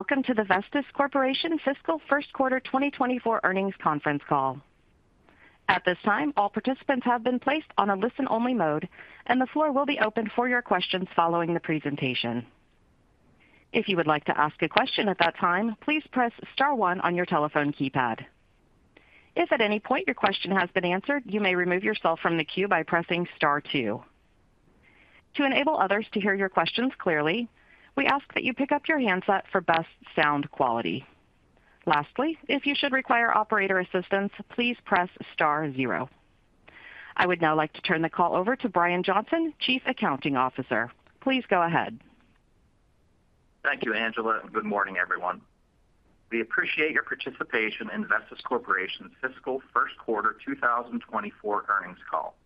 Welcome to the Vestis Corporation Fiscal Q1 2024 Earnings Conference Call. At this time, all participants have been placed on a listen-only mode, and the floor will be open for your questions following the presentation. If you would like to ask a question at that time, please press star one on your telephone keypad. If at any point your question has been answered, you may remove yourself from the queue by pressing star two. To enable others to hear your questions clearly, we ask that you pick up your handset for best sound quality. Lastly, if you should require operator assistance, please press star zero. I would now like to turn the call over to Brian Johnson, Chief Accounting Officer. Please go ahead. Thank you, Angela, and good morning, everyone. We appreciate your participation in Vestis Corporation's Fiscal Q1 2024 earnings call.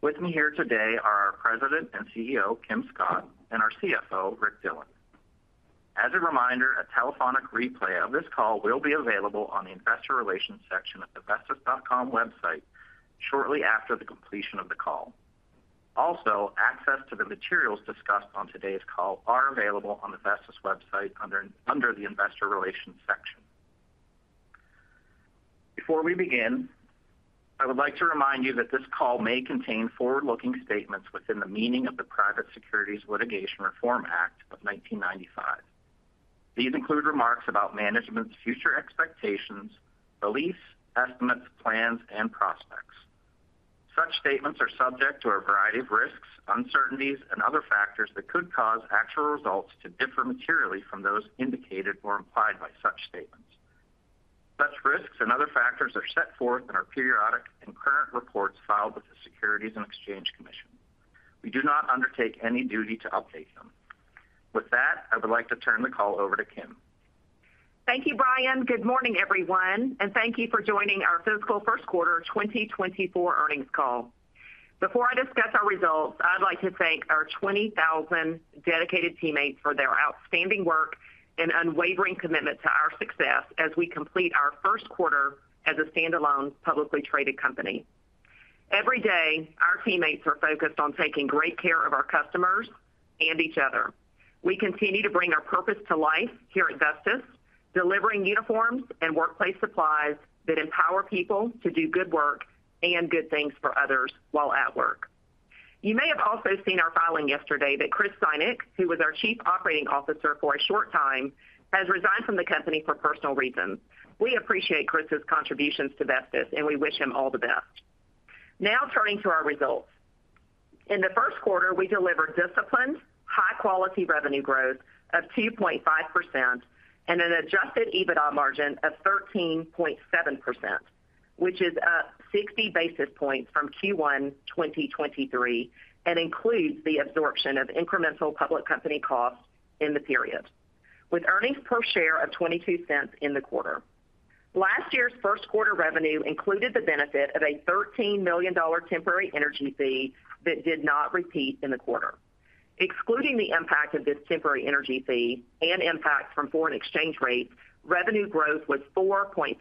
With me here today are our President and CEO, Kim Scott, and our CFO, Rick Dillon. As a reminder, a telephonic replay of this call will be available on the investor relations section of the vestis.com website shortly after the completion of the call. Also, access to the materials discussed on today's call are available on the Vestis website under the investor relations section. Before we begin, I would like to remind you that this call may contain forward-looking statements within the meaning of the Private Securities Litigation Reform Act of 1995. These include remarks about management's future expectations, beliefs, estimates, plans, and prospects. Such statements are subject to a variety of risks, uncertainties, and other factors that could cause actual results to differ materially from those indicated or implied by such statements. Such risks and other factors are set forth in our periodic and current reports filed with the Securities and Exchange Commission. We do not undertake any duty to update them. With that, I would like to turn the call over to Kim. Thank you, Brian. Good morning, everyone, and thank you for joining our fiscal first quarter 2024 earnings call. Before I discuss our results, I'd like to thank our 20,000 dedicated teammates for their outstanding work and unwavering commitment to our success as we complete our Q1 as a standalone, publicly traded company. Every day, our teammates are focused on taking great care of our customers and each other. We continue to bring our purpose to life here at Vestis, delivering uniforms and workplace supplies that empower people to do good work and good things for others while at work. You may have also seen our filing yesterday that Chris Synek, who was our Chief Operating Officer for a short time, has resigned from the company for personal reasons. We appreciate Chris's contributions to Vestis, and we wish him all the best. Now, turning to our results. In the Q1, we delivered disciplined, high quality revenue growth of 2.5% and an adjusted EBITDA margin of 13.7%, which is up 60 basis points from Q1 2023 and includes the absorption of incremental public company costs in the period, with earnings per share of $0.22 in the quarter. Last year's first quarter revenue included the benefit of a $13 million temporary energy fee that did not repeat in the quarter. Excluding the impact of this temporary energy fee and impact from foreign exchange rates, revenue growth was 4.5%,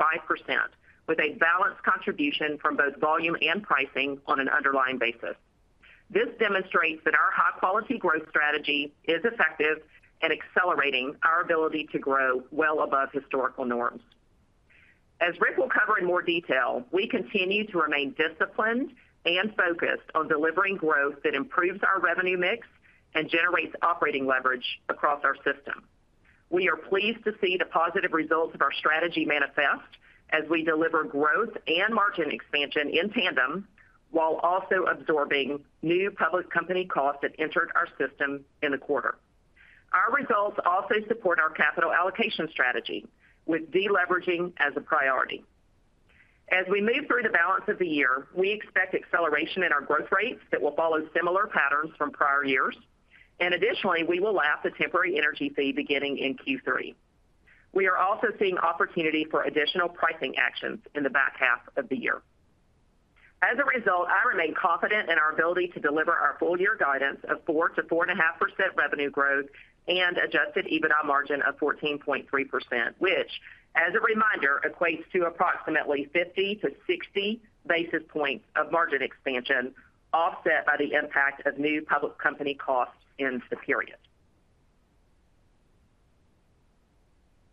with a balanced contribution from both volume and pricing on an underlying basis. This demonstrates that our high-quality growth strategy is effective and accelerating our ability to grow well above historical norms. As Rick will cover in more detail, we continue to remain disciplined and focused on delivering growth that improves our revenue mix and generates operating leverage across our system. We are pleased to see the positive results of our strategy manifest as we deliver growth and margin expansion in tandem, while also absorbing new public company costs that entered our system in the quarter. Our results also support our capital allocation strategy, with deleveraging as a priority. As we move through the balance of the year, we expect acceleration in our growth rates that will follow similar patterns from prior years, and additionally, we will lap the temporary energy fee beginning in Q3. We are also seeing opportunity for additional pricing actions in the back half of the year. As a result, I remain confident in our ability to deliver our full year guidance of 4%-4.5% revenue growth and adjusted EBITDA margin of 14.3%, which, as a reminder, equates to approximately 50-60 basis points of margin expansion, offset by the impact of new public company costs in the period.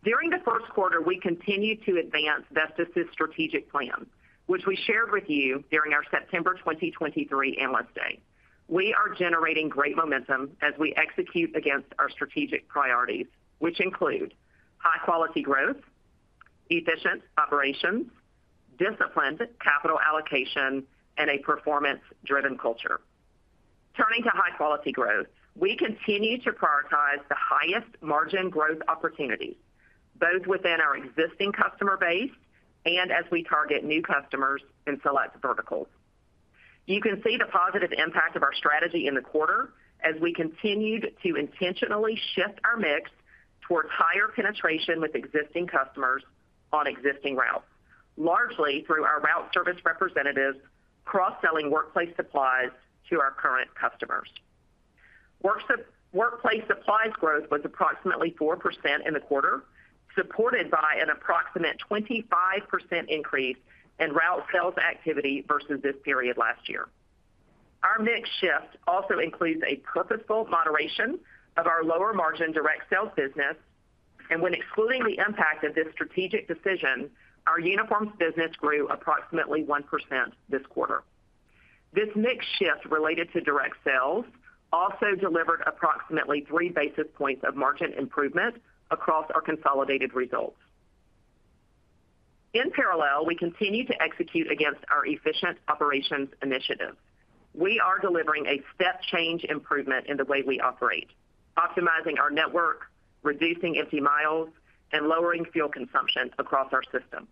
During the first quarter, we continued to advance Vestis' strategic plan, which we shared with you during our September 2023 Analyst Day. We are generating great momentum as we execute against our strategic priorities, which include high quality growth, efficient operations, disciplined capital allocation, and a performance-driven culture. Turning to high quality growth, we continue to prioritize the highest margin growth opportunities, both within our existing customer base and as we target new customers in select verticals. You can see the positive impact of our strategy in the quarter as we continued to intentionally shift our mix towards higher penetration with existing customers on existing routes, largely through our route service representatives cross-selling workplace supplies to our current customers. Workplace supplies growth was approximately 4% in the quarter, supported by an approximate 25% increase in route sales activity versus this period last year. Our mix shift also includes a purposeful moderation of our lower margin direct sales business, and when excluding the impact of this strategic decision, our uniforms business grew approximately 1% this quarter. This mix shift related to direct sales also delivered approximately three basis points of margin improvement across our consolidated results. In parallel, we continue to execute against our efficient operations initiative. We are delivering a step change improvement in the way we operate, optimizing our network, reducing empty miles, and lowering fuel consumption across our system.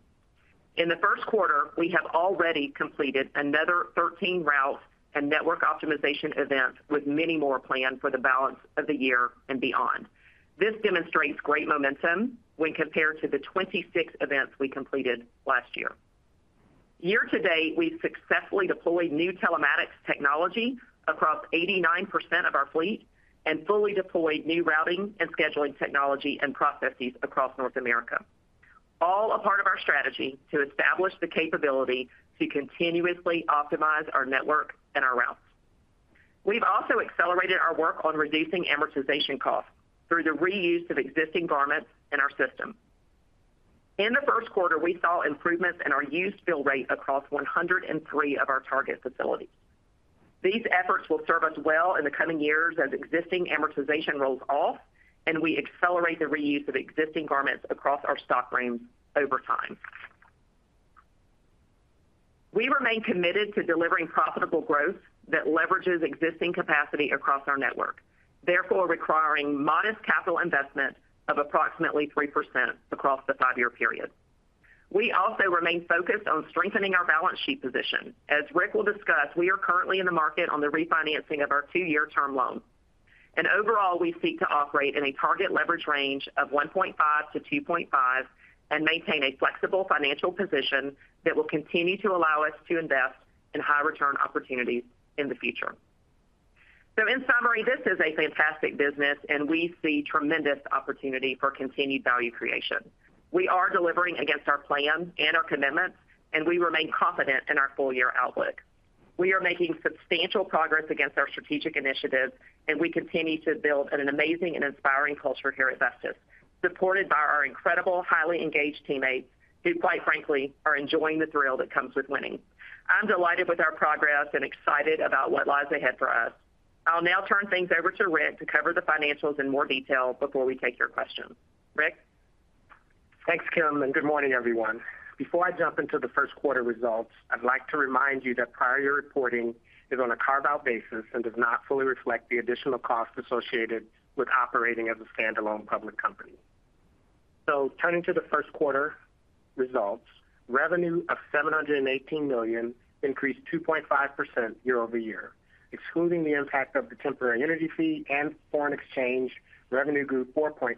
In the first quarter, we have already completed another 13 routes and network optimization events, with many more planned for the balance of the year and beyond. This demonstrates great momentum when compared to the 26 events we completed last year. Year to date, we've successfully deployed new telematics technology across 89% of our fleet and fully deployed new routing and scheduling technology and processes across North America. All a part of our strategy to establish the capability to continuously optimize our network and our routes. We've also accelerated our work on reducing amortization costs through the reuse of existing garments in our system. In the Q1, e saw improvements in our use fill rate across 103 of our target facilities. These efforts will serve us well in the coming years as existing amortization rolls off, and we accelerate the reuse of existing garments across our stock rooms over time. We remain committed to delivering profitable growth that leverages existing capacity across our network, therefore requiring modest capital investment of approximately 3% across the 5-year period. We also remain focused on strengthening our balance sheet position. As Rick will discuss, we are currently in the market on the refinancing of our two year term loan, and overall, we seek to operate in a target leverage range of 1.5-2.5, and maintain a flexible financial position that will continue to allow us to invest in high return opportunities in the future. So in summary, this is a fantastic business and we see tremendous opportunity for continued value creation. We are delivering against our plans and our commitments, and we remain confident in our full year outlook. We are making substantial progress against our strategic initiatives, and we continue to build an amazing and inspiring culture here at Vestis, supported by our incredible, highly engaged teammates, who, quite frankly, are enjoying the thrill that comes with winning. I'm delighted with our progress and excited about what lies ahead for us. I'll now turn things over to Rick to cover the financials in more detail before we take your questions. Rick? Thanks, Kim, and good morning, everyone. Before I jump into the first quarter results, I'd like to remind you that prior year reporting is on a carve-out basis and does not fully reflect the additional costs associated with operating as a standalone public company. So turning to the first quarter results, revenue of $718 million increased 2.5% year-over-year. Excluding the impact of the temporary energy fee and foreign exchange, revenue grew 4.5%.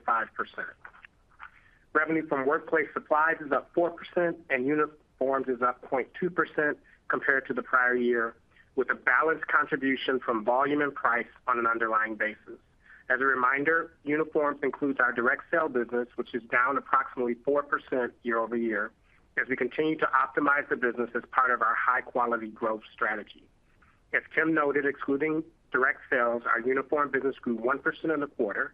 Revenue from workplace supplies is up 4% and uniforms is up 0.2% compared to the prior year, with a balanced contribution from volume and price on an underlying basis. As a reminder, uniforms includes our direct sale business, which is down approximately 4% year-over-year, as we continue to optimize the business as part of our high quality growth strategy. As Kim noted, excluding direct sales, our uniform business grew 1% in the quarter.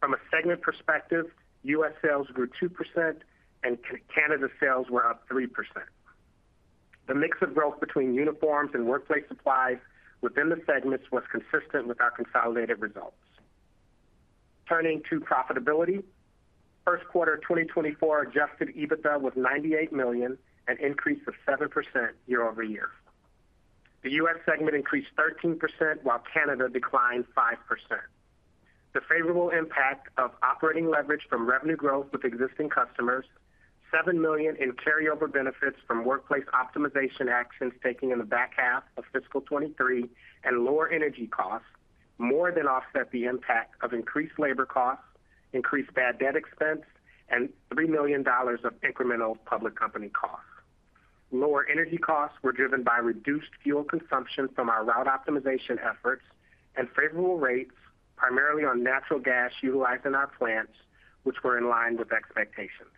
From a segment perspective, U.S. sales grew 2% and Canada sales were up 3%. The mix of growth between uniforms and workplace supplies within the segments was consistent with our consolidated results. Turning to profitability, first quarter 2024 adjusted EBITDA was $98 million, an increase of 7% year-over-year. The U.S. segment increased 13%, while Canada declined 5%. The favorable impact of operating leverage from revenue growth with existing customers, $7 million in carryover benefits from workplace optimization actions taken in the back half of fiscal 2023 and lower energy costs, more than offset the impact of increased labor costs, increased bad debt expense, and $3 million of incremental public company costs. Lower energy costs were driven by reduced fuel consumption from our route optimization efforts and favorable rates, primarily on natural gas utilized in our plants, which were in line with expectations.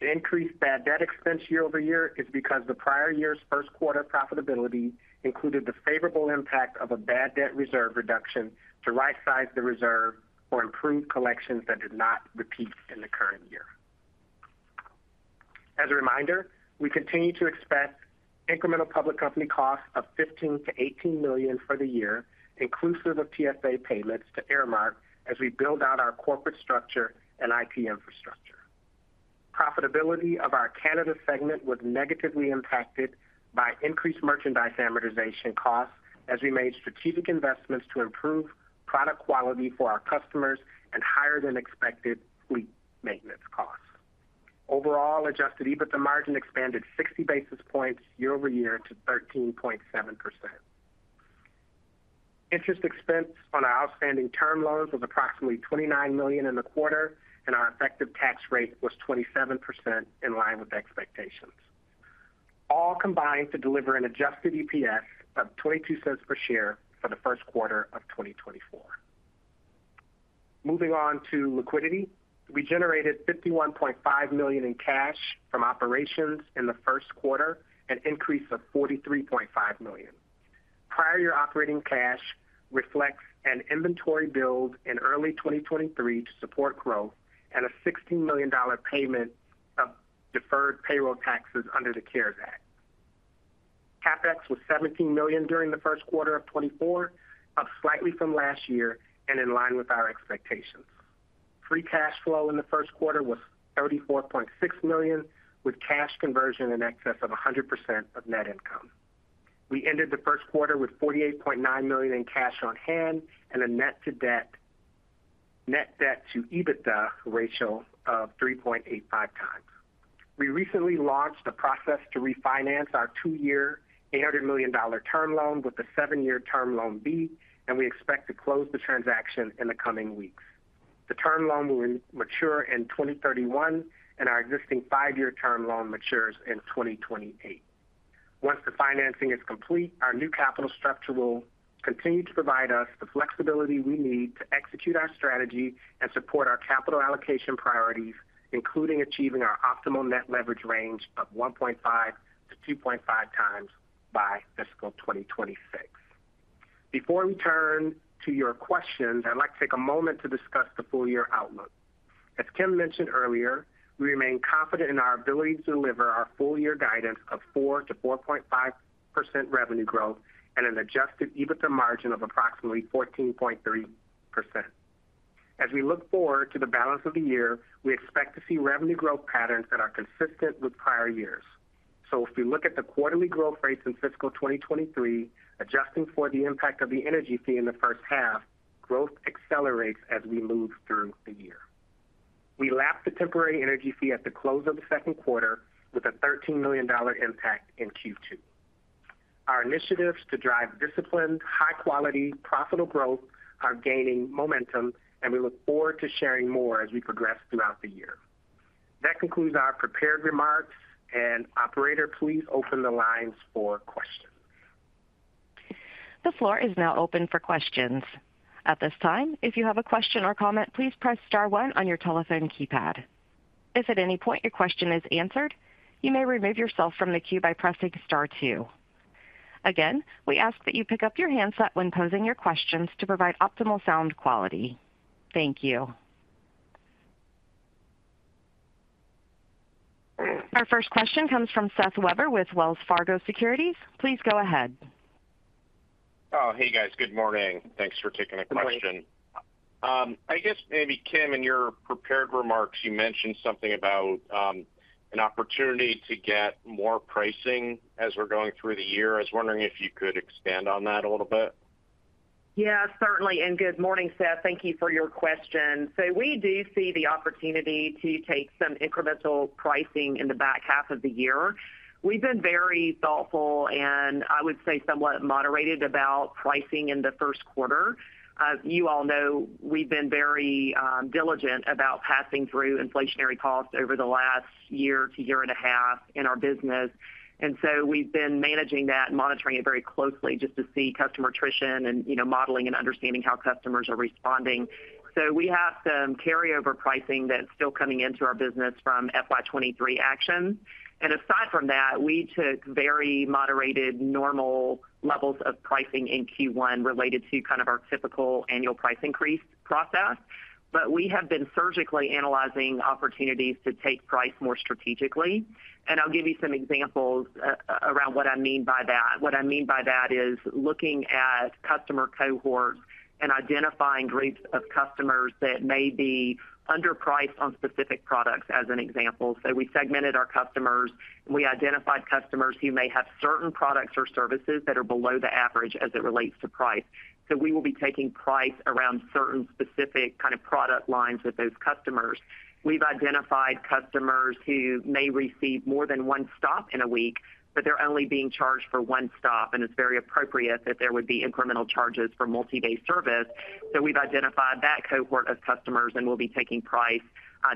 The increased bad debt expense year-over-year is because the prior year's first quarter profitability included the favorable impact of a bad debt reserve reduction to right size the reserve for improved collections that did not repeat in the current year. As a reminder, we continue to expect incremental public company costs of $15 million-$18 million for the year, inclusive of TSA payments to Aramark, as we build out our corporate structure and IT infrastructure. Profitability of our Canada segment was negatively impacted by increased merchandise amortization costs as we made strategic investments to improve product quality for our customers and higher than expected fleet maintenance costs. Overall, Adjusted EBITDA margin expanded 60 basis points year-over-year to 13.7%. Interest expense on our outstanding term loans was approximately $29 million in the quarter, and our effective tax rate was 27%, in line with expectations. All combined to deliver an Adjusted EPS of $0.22 per share for the first quarter of 2024. Moving on to liquidity. We generated $51.5 million in cash from operations in the first quarter, an increase of $43.5 million. Prior year operating cash reflects an inventory build in early 2023 to support growth and a $16 million payment of deferred payroll taxes under the CARES Act. CapEx was $17 million during the first quarter of 2024, up slightly from last year and in line with our expectations. Free Cash Flow in the Q1 was $34.6 million, with cash conversion in excess of 100% of net income. We ended the Q1 with $48.9 million in cash on hand and a net debt to EBITDA ratio of 3.85x. We recently launched a process to refinance our two year, $800 million term loan with a seven year Term Loan B, and we expect to close the transaction in the coming weeks. The term loan will mature in 2031, and our existing five year term loan matures in 2028. Once the financing is complete, our new capital structure will continue to provide us the flexibility we need to execute our strategy and support our capital allocation priorities, including achieving our optimal net leverage range of 1.5 to 2.5 times by fiscal 2026. Before we turn to your questions, I'd like to take a moment to discuss the full year outlook. As Kim mentioned earlier, we remain confident in our ability to deliver our full year guidance of 4% to 4.5% revenue growth and an adjusted EBITDA margin of approximately 14.3%. As we look forward to the balance of the year, we expect to see revenue growth patterns that are consistent with prior years. So if we look at the quarterly growth rates in fiscal 2023, adjusting for the impact of the energy fee in the first half, growth accelerates as we move through the year. We lapped the temporary energy fee at the close of the Q2 with a $13 million impact in Q2. Our initiatives to drive disciplined, high quality, profitable growth are gaining momentum, and we look forward to sharing more as we progress throughout the year. That concludes our prepared remarks, and operator, please open the lines for questions. The floor is now open for questions. At this time, if you have a question or comment, please press star one on your telephone keypad. If at any point your question is answered, you may remove yourself from the queue by pressing star two. Again, we ask that you pick up your handset when posing your questions to provide optimal sound quality. Thank you. Our first question comes from Seth Weber with Wells Fargo Securities. Please go ahead. Oh, hey, guys. Good morning. Thanks for taking the question. I guess maybe, Kim, in your prepared remarks, you mentioned something about an opportunity to get more pricing as we're going through the year. I was wondering if you could expand on that a little bit. Yeah, certainly. Good morning, Seth. Thank you for your question. So we do see the opportunity to take some incremental pricing in the back half of the year. We've been very thoughtful and I would say somewhat moderated about pricing in the first quarter. You all know, we've been very diligent about passing through inflationary costs over the last year to year and a half in our business, and so we've been managing that and monitoring it very closely just to see customer attrition and, you know, modeling and understanding how customers are responding. So we have some carryover pricing that's still coming into our business from FY 2023 actions. And aside from that, we took very moderated, normal levels of pricing in Q1 related to kind of our typical annual price increase process. But we have been surgically analyzing opportunities to take price more strategically. I'll give you some examples around what I mean by that. What I mean by that is looking at customer cohorts and identifying groups of customers that may be underpriced on specific products, as an example. So we segmented our customers, and we identified customers who may have certain products or services that are below the average as it relates to price. So we will be taking price around certain specific kind of product lines with those customers. We've identified customers who may receive more than one stop in a week, but they're only being charged for one stop, and it's very appropriate that there would be incremental charges for multi-day service. So we've identified that cohort of customers, and we'll be taking price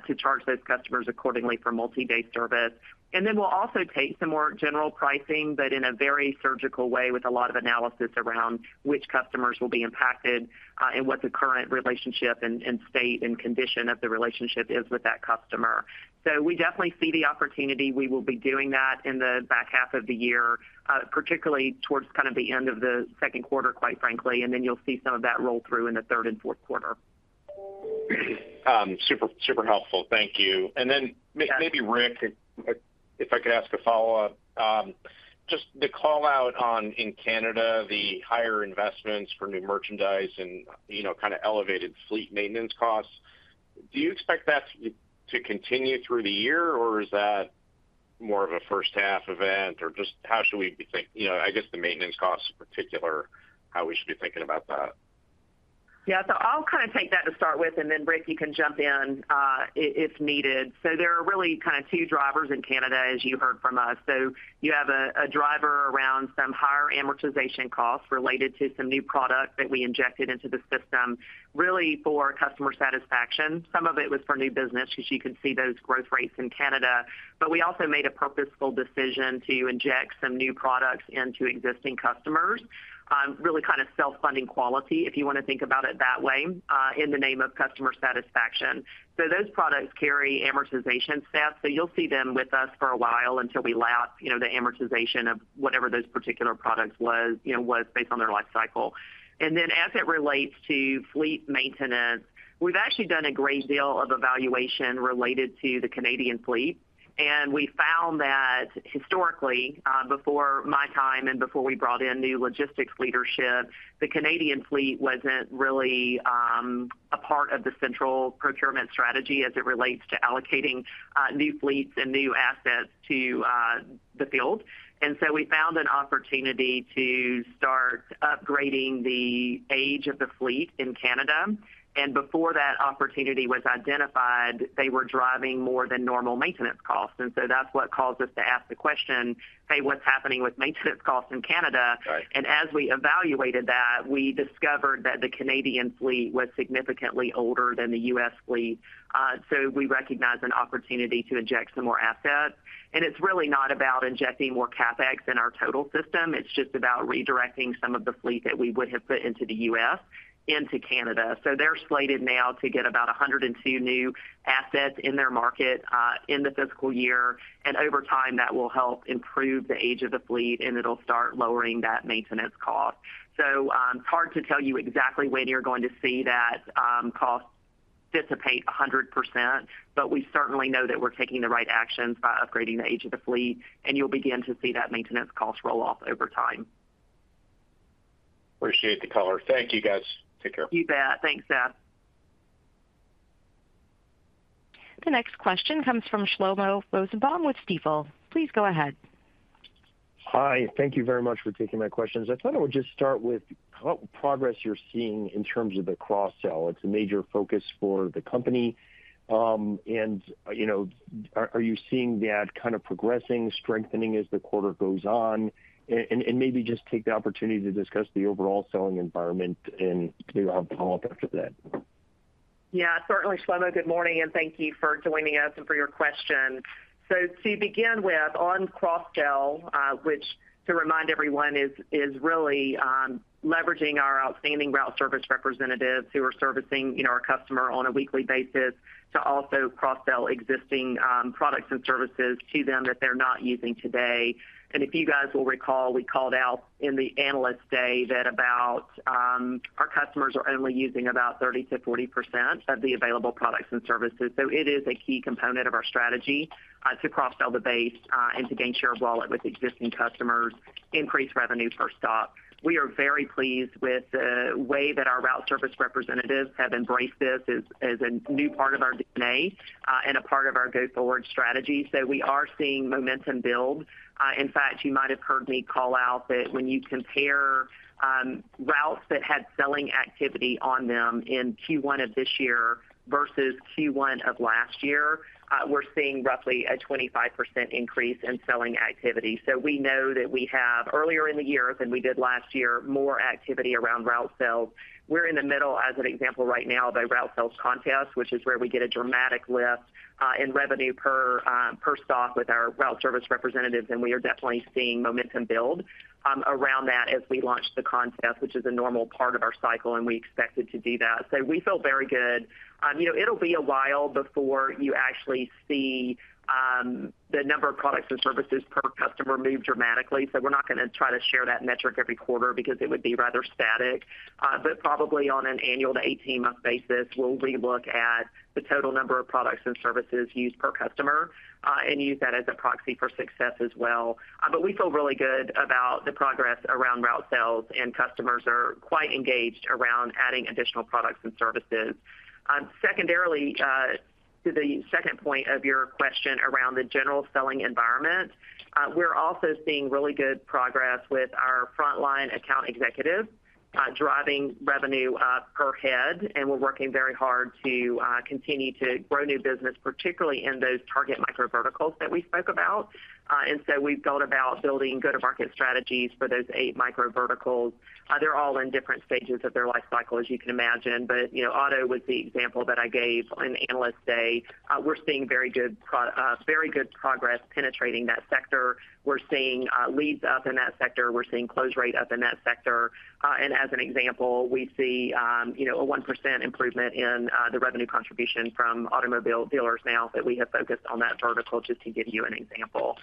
to charge those customers accordingly for multi-day service. Then we'll also take some more general pricing, but in a very surgical way, with a lot of analysis around which customers will be impacted, and what the current relationship and state and condition of the relationship is with that customer. So we definitely see the opportunity. We will be doing that in the back half of the year, particularly towards kind of the end of the second quarter, quite frankly, and then you'll see some of that roll through in the third and fourth quarter. Super, super helpful. Thank you. And then maybe, Rick, if I could ask a follow-up. Just the call out on in Canada, the higher investments for new merchandise and, you know, kind of elevated fleet maintenance costs, do you expect that to continue through the year, or is that more of a first half event? Or just how should we be thinking? You know, I guess the maintenance costs in particular, how we should be thinking about that? Yeah, so I'll kind of take that to start with, and then Rick, you can jump in if needed. So there are really kind of two drivers in Canada, as you heard from us. So you have a driver around some higher amortization costs related to some new product that we injected into the system, really for customer satisfaction. Some of it was for new business, because you can see those growth rates in Canada. But we also made a purposeful decision to inject some new products into existing customers, really kind of self-funding quality, if you want to think about it that way, in the name of customer satisfaction. So those products carry amortization costs, so you'll see them with us for a while until we lap, you know, the amortization of whatever those particular products was, you know, was based on their life cycle. And then as it relates to fleet maintenance, we've actually done a great deal of evaluation related to the Canadian fleet, and we found that historically, before my time and before we brought in new logistics leadership, the Canadian fleet wasn't really a part of the central procurement strategy as it relates to allocating new fleets and new assets to the field. And so we found an opportunity to start upgrading the age of the fleet in Canada. And before that opportunity was identified, they were driving more than normal maintenance costs. And so that's what caused us to ask the question, "Hey, what's happening with maintenance costs in Canada? Right. As we evaluated that, we discovered that the Canadian fleet was significantly older than the U.S. fleet. So we recognized an opportunity to inject some more assets. And it's really not about injecting more CapEx in our total system. It's just about redirecting some of the fleet that we would have put into the U.S., into Canada. So they're slated now to get about 102 new assets in their market, in the fiscal year, and over time, that will help improve the age of the fleet, and it'll start lowering that maintenance cost. So, it's hard to tell you exactly when you're going to see that, cost dissipate a hundred percent, but we certainly know that we're taking the right actions by upgrading the age of the fleet, and you'll begin to see that maintenance cost roll off over time. Appreciate the color. Thank you, guys. Take care. You bet. Thanks, Seth. The next question comes from Shlomo Rosenbaum with Stifel. Please go ahead. Hi, thank you very much for taking my questions. I thought I would just start with how progress you're seeing in terms of the cross-sell. It's a major focus for the company, and, you know, are you seeing that kind of progressing, strengthening as the quarter goes on? And maybe just take the opportunity to discuss the overall selling environment, and maybe I'll follow up after that. Yeah, certainly, Shlomo, good morning, and thank you for joining us and for your question. So to begin with, on cross-sell, which, to remind everyone, is really leveraging our outstanding route service representatives who are servicing, you know, our customer on a weekly basis to also cross-sell existing products and services to them that they're not using today. And if you guys will recall, we called out in the Analyst Day that about our customers are only using about 30% to 40% of the available products and services. So it is a key component of our strategy to cross-sell the base and to gain share of wallet with existing customers, increase revenue per stop. We are very pleased with the way that our route service representatives have embraced this as a new part of our DNA, and a part of our go-forward strategy. So we are seeing momentum build. In fact, you might have heard me call out that when you compare routes that had selling activity on them in Q1 of this year versus Q1 of last year, we're seeing roughly a 25% increase in selling activity. So we know that we have earlier in the year than we did last year, more activity around route sales. We're in the middle, as an example, right now, of a route sales contest, which is where we get a dramatic lift in revenue per stop with our route service representatives, and we are definitely seeing momentum build around that as we launch the contest, which is a normal part of our cycle, and we expect it to do that. So we feel very good. You know, it'll be a while before you actually see the number of products and services per customer move dramatically. So we're not going to try to share that metric every quarter because it would be rather static. But probably on an annual to eighteen-month basis, we'll re-look at the total number of products and services used per customer and use that as a proxy for success as well. But we feel really good about the progress around route sales, and customers are quite engaged around adding additional products and services. Secondarily, to the second point of your question around the general selling environment, we're also seeing really good progress with our frontline account executives, driving revenue per head, and we're working very hard to continue to grow new business, particularly in those target micro verticals that we spoke about. And so we've gone about building go-to-market strategies for those eight micro verticals. They're all in different stages of their life cycle, as you can imagine. But, you know, auto was the example that I gave on Analyst Day. We're seeing very good progress penetrating that sector. We're seeing leads up in that sector. We're seeing close rate up in that sector. As an example, we see, you know, a 1% improvement in the revenue contribution from automobile dealers now that we have focused on that vertical, just to give you an example.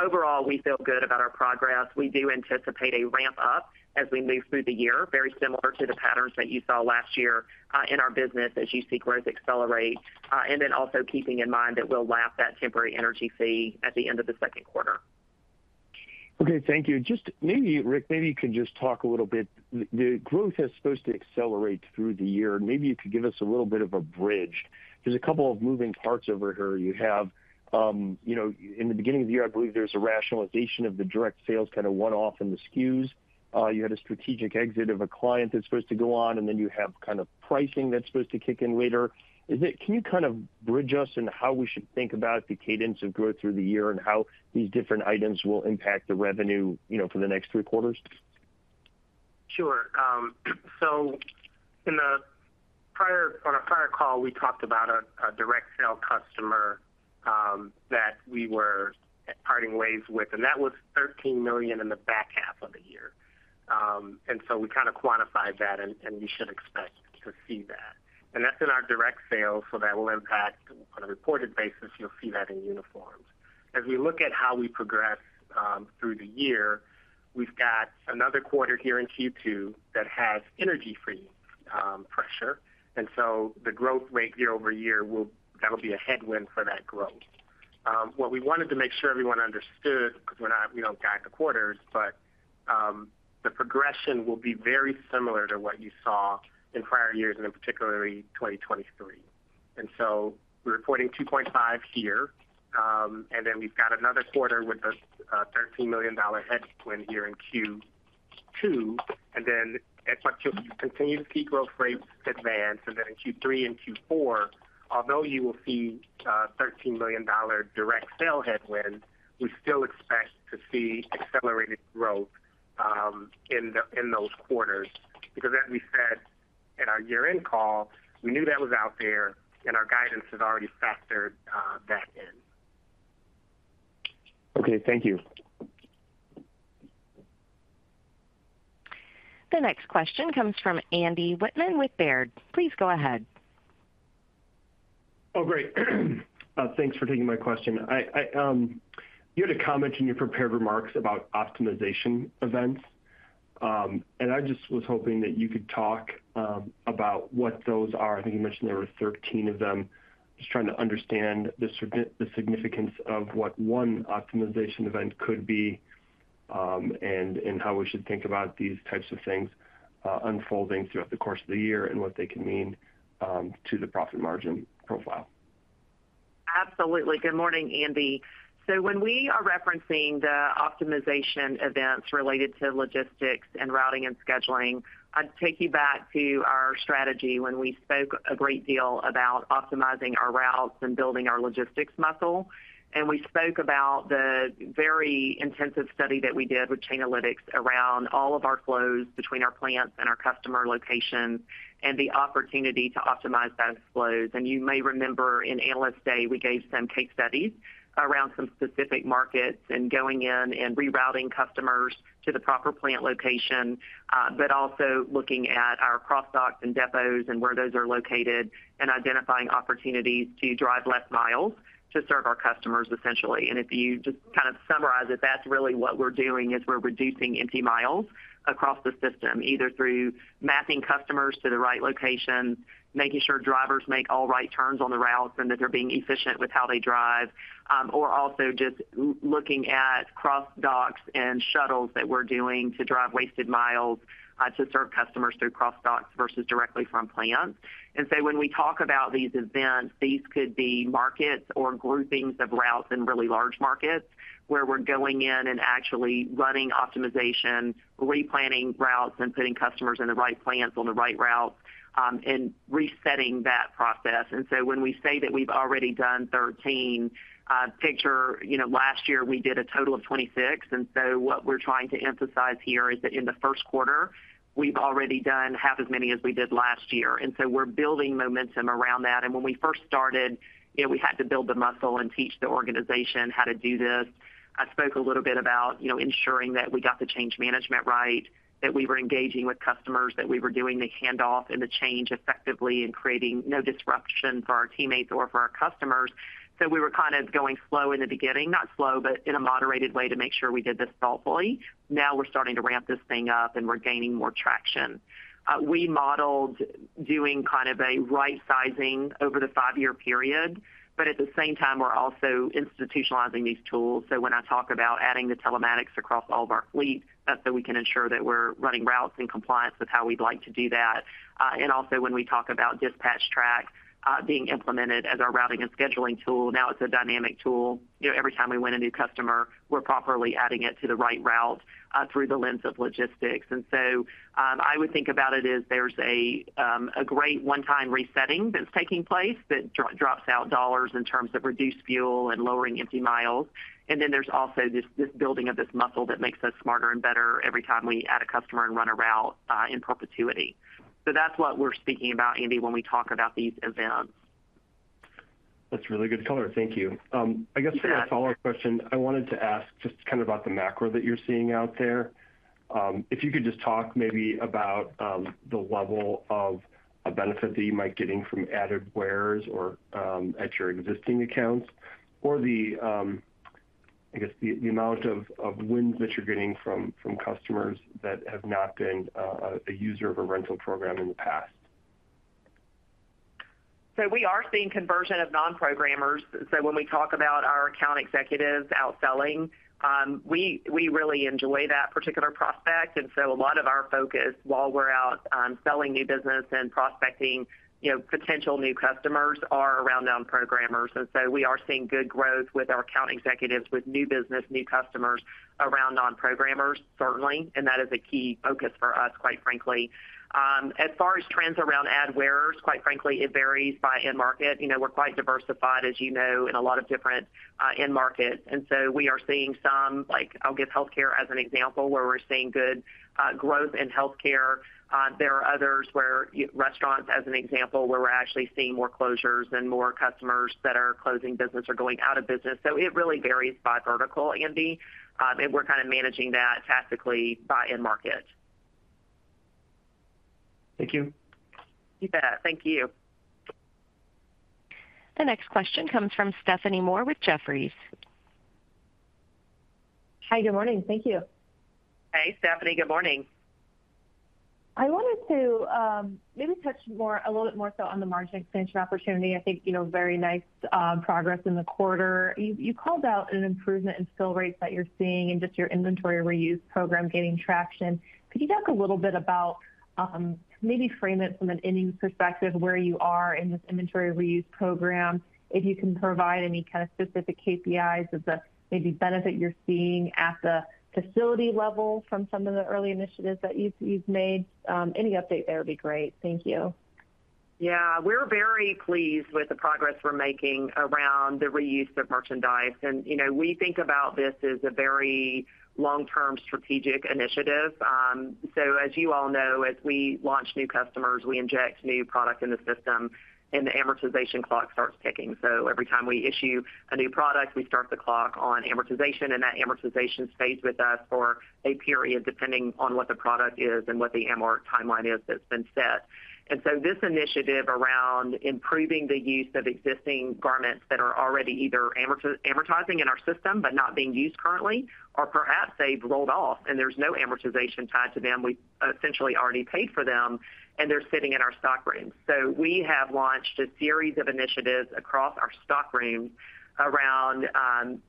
Overall, we feel good about our progress. We do anticipate a ramp up as we move through the year, very similar to the patterns that you saw last year, in our business as you see growth accelerate, and then also keeping in mind that we'll lap that temporary energy fee at the end of the second quarter. Okay, thank you. Just maybe, Rick, maybe you could just talk a little bit, the growth is supposed to accelerate through the year. Maybe you could give us a little bit of a bridge. There's a couple of moving parts over here. You have, you know, in the beginning of the year, I believe there's a rationalization of the direct sales, kind of one-off in the SKUs. You had a strategic exit of a client that's supposed to go on, and then you have kind of pricing that's supposed to kick in later. Is it—can you kind of bridge us in how we should think about the cadence of growth through the year and how these different items will impact the revenue, you know, for the next three quarters?... Sure. So, on a prior call, we talked about a direct sale customer that we were parting ways with, and that was $13 million in the back half of the year. So we kind of quantified that, and you should expect to see that. That's in our direct sales, so that will impact on a reported basis. You'll see that in uniforms. As we look at how we progress through the year, we've got another quarter here in Q2 that has energy-free pressure, and so the growth rate year-over-year will, that'll be a headwind for that growth. What we wanted to make sure everyone understood, because we're not, we don't guide the quarters, but the progression will be very similar to what you saw in prior years and in particular 2023. So we're reporting 2.5 here, and then we've got another quarter with a $13 million headwind here in Q2, and then as you continue to see growth rates advance, and then in Q3 and Q4, although you will see a $13 million direct sale headwind, we still expect to see accelerated growth in those quarters. Because as we said in our year-end call, we knew that was out there, and our guidance has already factored that in. Okay, thank you. The next question comes from Andy Wittman with Baird. Please go ahead. Oh, great. Thanks for taking my question. You had a comment in your prepared remarks about optimization events, and I just was hoping that you could talk about what those are. I think you mentioned there were 13 of them. Just trying to understand the significance of what one optimization event could be, and how we should think about these types of things unfolding throughout the course of the year and what they can mean to the profit margin profile. Absolutely. Good morning, Andy. So when we are referencing the optimization events related to logistics and routing and scheduling, I'd take you back to our strategy when we spoke a great deal about optimizing our routes and building our logistics muscle. And we spoke about the very intensive study that we did with Chainalytics around all of our flows between our plants and our customer locations, and the opportunity to optimize those flows. And you may remember in Analyst Day, we gave some case studies around some specific markets and going in and rerouting customers to the proper plant location, but also looking at our cross-docks and depots and where those are located, and identifying opportunities to drive less miles to serve our customers, essentially. And if you just kind of summarize it, that's really what we're doing, is we're reducing empty miles across the system, either through mapping customers to the right location, making sure drivers make all right turns on the routes and that they're being efficient with how they drive, or also just looking at cross-docks and shuttles that we're doing to drive wasted miles to serve customers through cross-docks versus directly from plants. And so when we talk about these events, these could be markets or groupings of routes in really large markets where we're going in and actually running optimization, replanning routes and putting customers in the right plants on the right routes, and resetting that process. And so when we say that we've already done 13, pictures, you know, last year we did a total of 26, and so what we're trying to emphasize here is that in the first quarter, we've already done half as many as we did last year. And so we're building momentum around that. And when we first started, you know, we had to build the muscle and teach the organization how to do this. I spoke a little bit about, you know, ensuring that we got the change management right, that we were engaging with customers, that we were doing the handoff and the change effectively and creating no disruption for our teammates or for our customers. So we were kind of going slow in the beginning, not slow, but in a moderated way to make sure we did this thoughtfully. Now we're starting to ramp this thing up and we're gaining more traction. We modeled doing kind of a right sizing over the five-year period, but at the same time, we're also institutionalizing these tools. So when I talk about adding the telematics across all of our fleet, that's so we can ensure that we're running routes in compliance with how we'd like to do that. And also, when we talk about DispatchTrack being implemented as our routing and scheduling tool, now it's a dynamic tool. You know, every time we win a new customer, we're properly adding it to the right route through the lens of logistics. And so, I would think about it as there's a great one-time resetting that's taking place that drops out dollars in terms of reduced fuel and lowering empty miles. And then there's also this, this building of this muscle that makes us smarter and better every time we add a customer and run a route, in perpetuity. So that's what we're speaking about, Andy, when we talk about these events. That's really good color. Thank you. I guess for my follow-up question, I wanted to ask just kind of about the macro that you're seeing out there. If you could just talk maybe about the level of a benefit that you might be getting from added wares or at your existing accounts, or I guess the amount of wins that you're getting from customers that have not been a user of a rental program in the past. So we are seeing conversion of non-programmers. So when we talk about our account executives out selling, we really enjoy that particular prospect. And so a lot of our focus while we're out on selling new business and prospecting, you know, potential new customers are around non-programmers. And so we are seeing good growth with our account executives, with new business, new customers around non-programmers, certainly. And that is a key focus for us, quite frankly. As far as trends around add wearers, quite frankly, it varies by end market. You know, we're quite diversified, as you know, in a lot of different end markets. And so we are seeing some, like I'll give healthcare as an example, where we're seeing good growth in healthcare. There are others where, restaurants, as an example, where we're actually seeing more closures and more customers that are closing business or going out of business. So it really varies by vertical, Andy, and we're kind of managing that tactically by end market.... Thank you. You bet. Thank you. The next question comes from Stephanie Moore with Jefferies. Hi, good morning. Thank you. Hey, Stephanie, good morning. I wanted to maybe touch more, a little bit more so on the margin expansion opportunity. I think, you know, very nice progress in the quarter. You called out an improvement in fill rates that you're seeing and just your inventory reuse program gaining traction. Could you talk a little bit about maybe frame it from an innings perspective, where you are in this inventory reuse program? If you can provide any kind of specific KPIs of the maybe benefit you're seeing at the facility level from some of the early initiatives that you've made, any update there would be great. Thank you. Yeah, we're very pleased with the progress we're making around the reuse of merchandise, and, you know, we think about this as a very long-term strategic initiative. So as you all know, as we launch new customers, we inject new product in the system, and the amortization clock starts ticking. Every time we issue a new product, we start the clock on amortization, and that amortization stays with us for a period, depending on what the product is and what the amort timeline is that's been set. This initiative around improving the use of existing garments that are already either amortizing in our system but not being used currently, or perhaps they've rolled off and there's no amortization tied to them, we essentially already paid for them, and they're sitting in our stockroom. So we have launched a series of initiatives across our stockroom around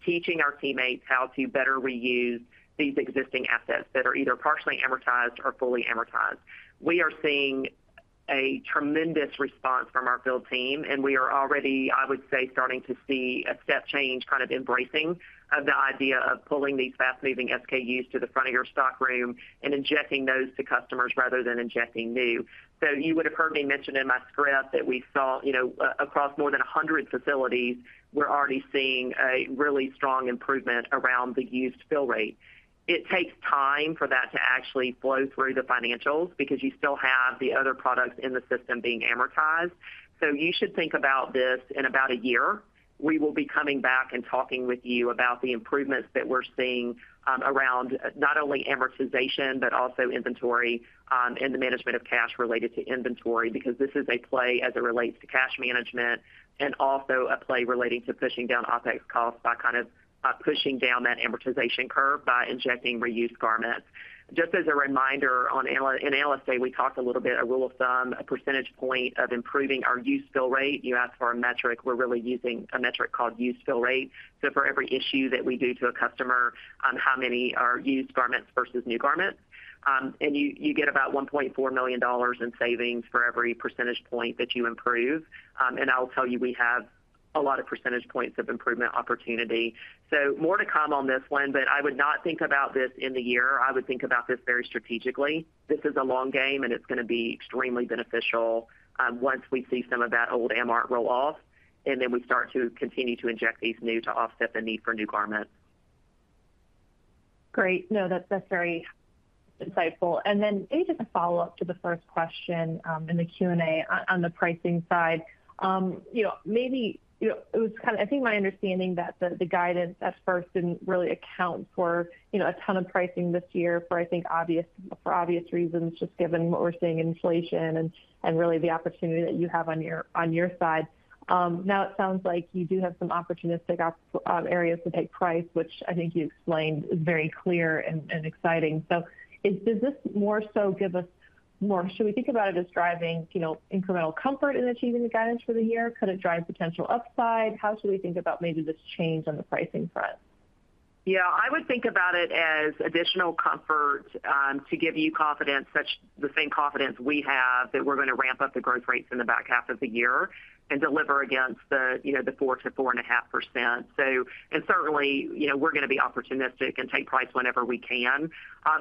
teaching our teammates how to better reuse these existing assets that are either partially amortized or fully amortized. We are seeing a tremendous response from our field team, and we are already, I would say, starting to see a step change, kind of embracing of the idea of pulling these fast-moving SKUs to the front of your stockroom and injecting those to customers rather than injecting new. So you would have heard me mention in my script that we saw, you know, across more than 100 facilities, we're already seeing a really strong improvement around the use fill rate. It takes time for that to actually flow through the financials because you still have the other products in the system being amortized. So you should think about this in about a year. We will be coming back and talking with you about the improvements that we're seeing around not only amortization, but also inventory, and the management of cash related to inventory, because this is a play as it relates to cash management and also a play relating to pushing down OpEx costs by kind of pushing down that amortization curve by injecting reused garments. Just as a reminder, on Analyst Day, we talked a little bit, a rule of thumb, a percentage point of improving our use fill rate. You asked for a metric. We're really using a metric called use fill rate. So for every issue that we do to a customer on how many are used garments versus new garments, and you get about $1.4 million in savings for every percentage point that you improve. And I'll tell you, we have a lot of percentage points of improvement opportunity. So more to come on this one, but I would not think about this in the year. I would think about this very strategically. This is a long game, and it's going to be extremely beneficial, once we see some of that old amort roll off, and then we start to continue to inject these new to offset the need for new garments. Great. No, that's, that's very insightful. And then maybe just a follow-up to the first question in the Q&A on the pricing side. You know, maybe, you know, it was kinda... I think my understanding that the guidance at first didn't really account for, you know, a ton of pricing this year, for, I think, obvious reasons, just given what we're seeing in inflation and really the opportunity that you have on your side. Now it sounds like you do have some opportunistic op areas to take price, which I think you explained very clear and exciting. So is, does this more so give us more? Should we think about it as driving, you know, incremental comfort in achieving the guidance for the year? Could it drive potential upside? How should we think about maybe this change on the pricing front? Yeah, I would think about it as additional comfort to give you confidence, such the same confidence we have, that we're gonna ramp up the growth rates in the back half of the year and deliver against the, you know, the 4% to 4.5%. So, and certainly, you know, we're gonna be opportunistic and take price whenever we can.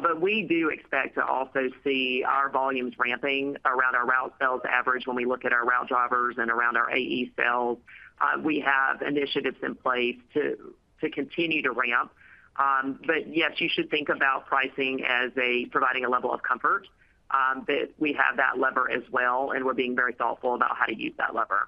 But we do expect to also see our volumes ramping around our route sales average when we look at our route drivers and around our AE sales. We have initiatives in place to continue to ramp. But yes, you should think about pricing as a providing a level of comfort that we have that lever as well, and we're being very thoughtful about how to use that lever.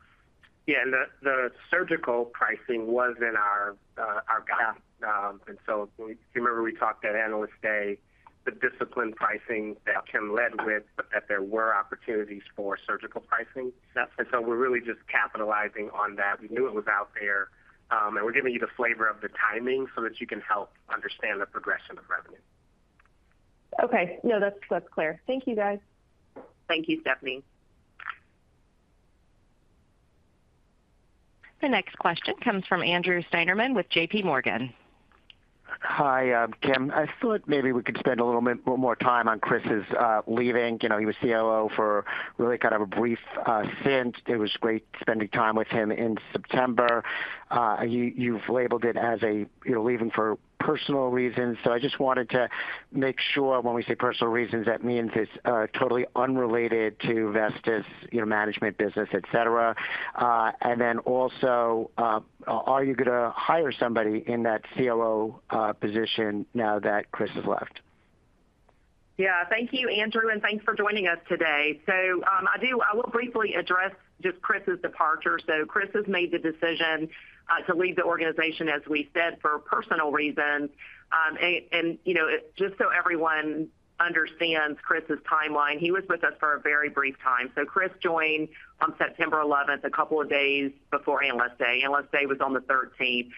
Yeah, and the surgical pricing was in our guide. And so if you remember, we talked at Analyst Day, the disciplined pricing that Kim led with, but that there were opportunities for surgical pricing. Yes. We're really just capitalizing on that. We knew it was out there, and we're giving you the flavor of the timing so that you can help understand the progression of revenue. Okay. No, that's, that's clear. Thank you, guys. Thank you, Stephanie. The next question comes from Andrew Steinerman with J.P. Morgan. Hi, Kim. I thought maybe we could spend a little bit more time on Chris's leaving. You know, he was COO for really kind of a brief stint. It was great spending time with him in September. You've labeled it as a, you know, leaving for personal reasons. So I just wanted to make sure when we say personal reasons, that means it's totally unrelated to Vestis's, you know, management, business, et cetera. And then also, are you gonna hire somebody in that COO position now that Chris has left? Yeah. Thank you, Andrew, and thanks for joining us today. So, I will briefly address just Chris's departure. So Chris has made the decision to leave the organization, as we said, for personal reasons. And, you know, just so everyone understands Chris's timeline, he was with us for a very brief time. So Chris joined on 11 September, a couple of days before Analyst Day. Analyst Day was on the 13th.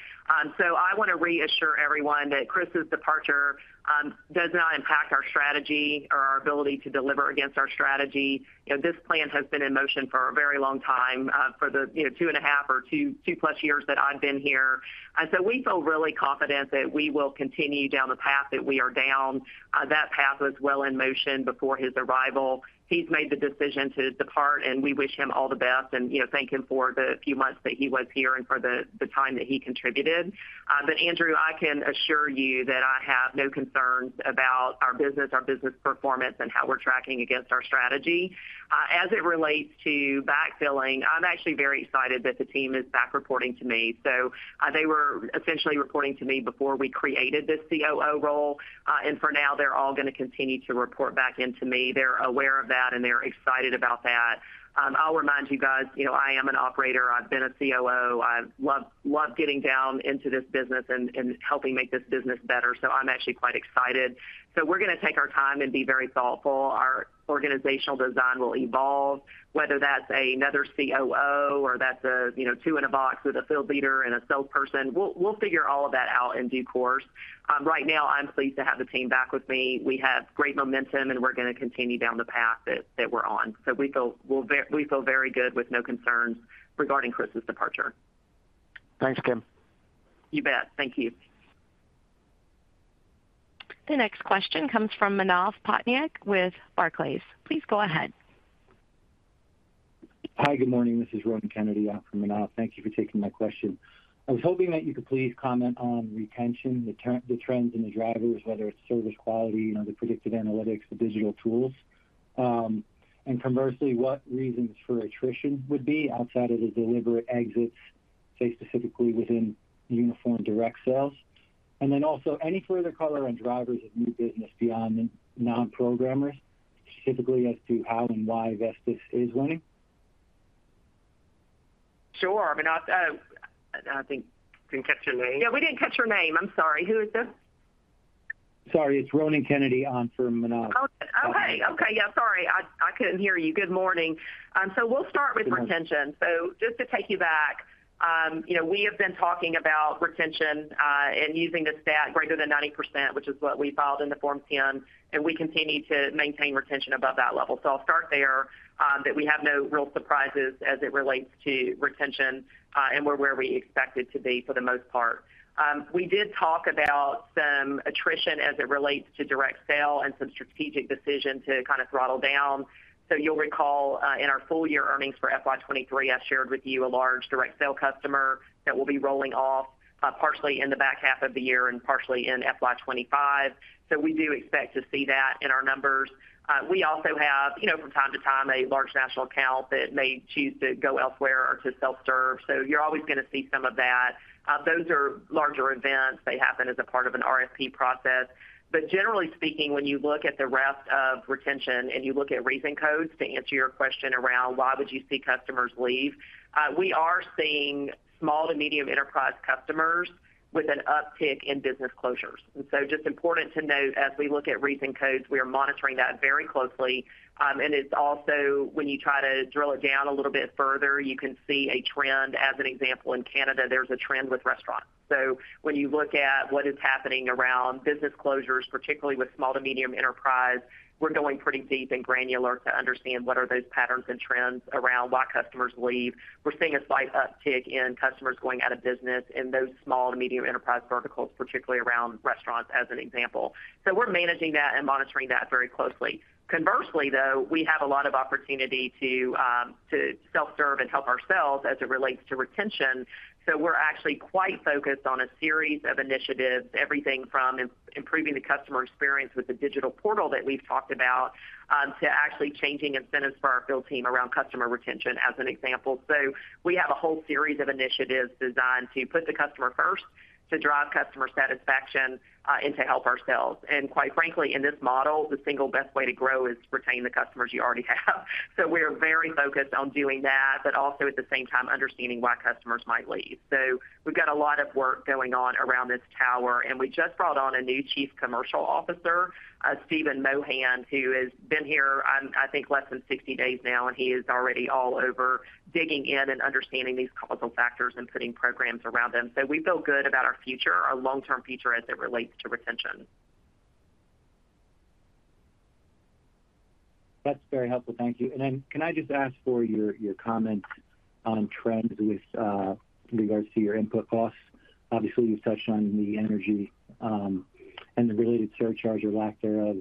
So I want to reassure everyone that Chris's departure does not impact our strategy or our ability to deliver against our strategy. You know, this plan has been in motion for a very long time, for the 2.5 or 2, 2+ years that I've been here. And so we feel really confident that we will continue down the path that we are down. That path was well in motion before his arrival. He's made the decision to depart, and we wish him all the best, and, you know, thank him for the few months that he was here and for the time that he contributed. But Andrew, I can assure you that I have no concerns about our business, our business performance, and how we're tracking against our strategy. As it relates to backfilling, I'm actually very excited that the team is back reporting to me. So, they were essentially reporting to me before we created this COO role, and for now, they're all going to continue to report back into me. They're aware of that, and they're excited about that. I'll remind you guys, you know, I am an operator. I've been a COO. I love, love getting down into this business and, and helping make this business better, so I'm actually quite excited. So we're going to take our time and be very thoughtful. Our organizational design will evolve, whether that's another COO or that's a, you know, two in a box with a field leader and a salesperson, we'll figure all of that out in due course. Right now, I'm pleased to have the team back with me. We have great momentum, and we're going to continue down the path that we're on. So we feel very good with no concerns regarding Chris's departure. Thanks, Kim. You bet. Thank you. The next question comes from Manav Patnaik with Barclays. Please go ahead. Hi, good morning. This is Ronan Kennedy on for Manav. Thank you for taking my question. I was hoping that you could please comment on retention, the trends and the drivers, whether it's service quality, you know, the predictive analytics, the digital tools, and conversely, what reasons for attrition would be outside of the deliberate exits, say, specifically within uniform direct sales? And then also, any further color on drivers of new business beyond the non-programmers, specifically as to how and why Vestis is winning? Sure. I mean, I think I didn't catch your name. Yeah, we didn't catch your name. I'm sorry. Who is this? Sorry, it's Ronan Kennedy on for Manav. Oh, okay. Okay, yeah, sorry. I, I couldn't hear you. Good morning. So we'll start with retention. Sure. So just to take you back, you know, we have been talking about retention, and using the stat greater than 90%, which is what we filed in the Form 10, and we continue to maintain retention above that level. So I'll start there, that we have no real surprises as it relates to retention, and we're where we expected to be for the most part. We did talk about some attrition as it relates to direct sale and some strategic decision to kind of throttle down. So you'll recall, in our full year earnings for FY 2023, I shared with you a large direct sale customer that will be rolling off, partially in the back half of the year and partially in FY 2025. So we do expect to see that in our numbers. We also have, you know, from time to time, a large national account that may choose to go elsewhere or to self-serve. So you're always going to see some of that. Those are larger events. They happen as a part of an RFP process. But generally speaking, when you look at the rest of retention and you look at reason codes to answer your question around why would you see customers leave, we are seeing small to medium enterprise customers with an uptick in business closures. And so just important to note, as we look at reason codes, we are monitoring that very closely. And it's also when you try to drill it down a little bit further, you can see a trend. As an example, in Canada, there's a trend with restaurants. So when you look at what is happening around business closures, particularly with small to medium enterprise, we're going pretty deep and granular to understand what are those patterns and trends around why customers leave. We're seeing a slight uptick in customers going out of business in those small to medium enterprise verticals, particularly around restaurants, as an example. So we're managing that and monitoring that very closely. Conversely, though, we have a lot of opportunity to self-serve and help ourselves as it relates to retention. So we're actually quite focused on a series of initiatives, everything from improving the customer experience with the digital portal that we've talked about to actually changing incentives for our field team around customer retention, as an example. So we have a whole series of initiatives designed to put the customer first, to drive customer satisfaction, and to help ourselves. And quite frankly, in this model, the single best way to grow is to retain the customers you already have. So we're very focused on doing that, but also at the same time, understanding why customers might leave. So we've got a lot of work going on around this tower, and we just brought on a new Chief Commercial Officer, Steven Mohan, who has been here, I think less than 60 days now, and he is already all over, digging in and understanding these causal factors and putting programs around them. So we feel good about our future, our long-term future as it relates to retention. That's very helpful. Thank you. And then can I just ask for your comment on trends with regards to your input costs? Obviously, you touched on the energy and the related surcharge or lack thereof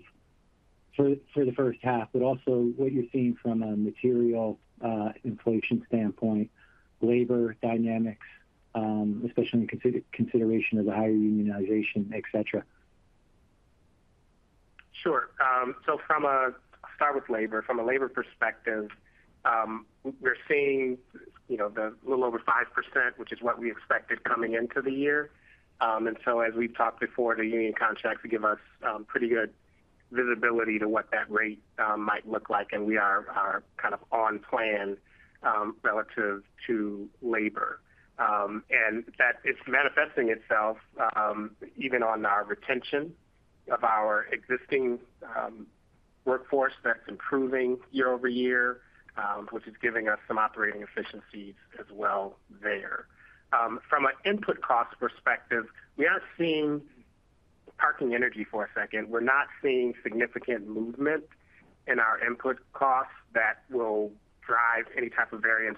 for the H1, but also what you're seeing from a material inflation standpoint, labor dynamics, especially in consideration of the higher unionization, et cetera. Sure. So from a labor perspective, we're seeing, you know, a little over 5%, which is what we expected coming into the year. And so as we've talked before, the union contracts give us pretty good visibility to what that rate might look like, and we are kind of on plan relative to labor. And that it's manifesting itself even on our retention of our existing workforce that's improving year-over-year, which is giving us some operating efficiencies as well there. From an input cost perspective, we aren't seeing, parking energy for a second, we're not seeing significant movement in our input costs that will drive any type of variance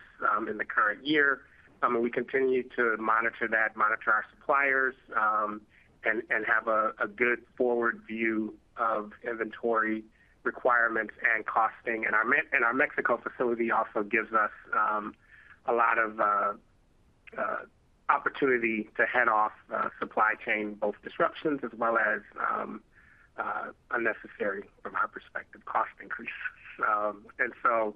in the current year. And we continue to monitor that, monitor our suppliers, and have a good forward view of inventory requirements and costing. And our Mexico facility also gives us a lot of opportunity to head off supply chain both disruptions as well as unnecessary, from our perspective, cost increases. And so